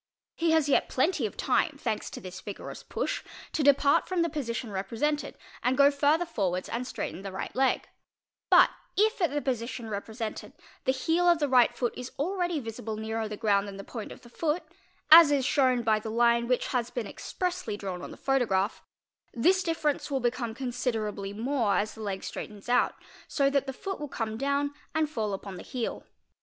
He ———— SPR ATS ee Ee PO UR ns »: vd 516 FOOTPRINTS : 3 has yet plenty of time, thanks to this vigorous push, to depart from the | position represented and go further forwards and straighten the right le m i But if at the position represented the heel of the right foot is alread 4 * visible nearer the ground than the point of the foot, as is shown by th a line which has been expressly drawn on the photograph, this differer ce will become considerably more as the leg straightens out, so that the foot will come down and fall upon the heel.